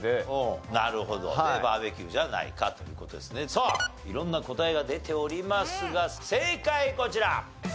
さあ色んな答えが出ておりますが正解こちら。